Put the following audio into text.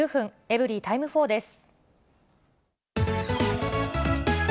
エブリィタイム４です。